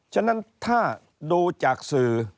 ฉะนั้นถ้าดูจากสื่อ